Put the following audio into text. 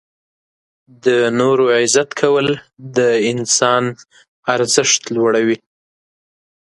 • د نورو عزت کول د انسان ارزښت لوړوي.